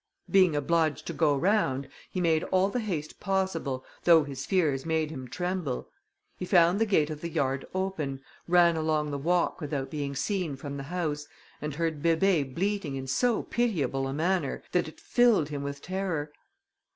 Being obliged to go round, he made all the haste possible, though his fears made him tremble; he found the gate of the yard open, ran along the walk without being seen from the house, and heard Bébé bleating in so pitiable a manner, that it filled him with terror.